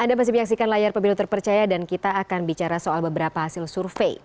anda masih menyaksikan layar pemilu terpercaya dan kita akan bicara soal beberapa hasil survei